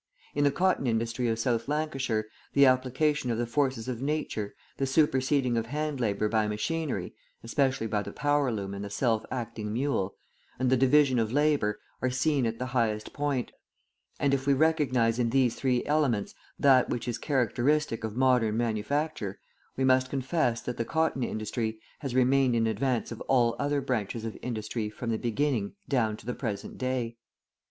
In the cotton industry of South Lancashire, the application of the forces of Nature, the superseding of hand labour by machinery (especially by the power loom and the self acting mule), and the division of labour, are seen at the highest point; and, if we recognise in these three elements that which is characteristic of modern manufacture, we must confess that the cotton industry has remained in advance of all other branches of industry from the beginning down to the present day.